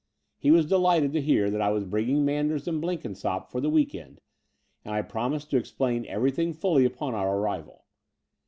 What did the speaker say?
He was delighted to hear that I was bringing Manders and Blenkinsopp for the week end; and I promised to explain everything fufly upon our arrival.